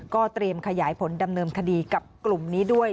ก็เตรียมขยายผลดำเนินคดีกับกลุ่มนี้ด้วย